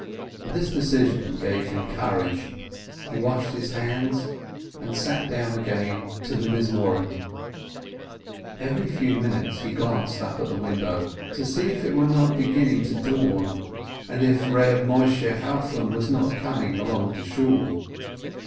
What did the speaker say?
This decision gave him courage, he washed his hands, and sat down again to the Psalms. Every few minutes he glanced at the window, to see if it were not beginning to dawn, and if Eeb Moisheh Chalfon were not coming along to Shool.